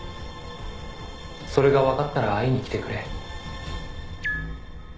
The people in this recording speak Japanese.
「それがわかったら会いに来てくれ」